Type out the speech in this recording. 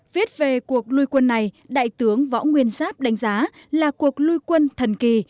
viết về cuộc lưu quân này đại tướng võ nguyên giáp đánh giá là cuộc lưu quân thần kỳ